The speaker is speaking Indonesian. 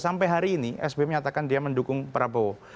sampai hari ini sby menyatakan dia mendukung prabowo